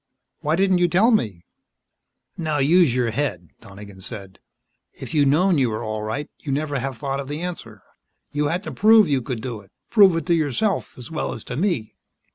"Why didn't you tell me " "Now, use your head," Donegan said. "If you'd known you were all right, you'd never have thought of the answer. You had to prove you could do it prove it to yourself as well as to me."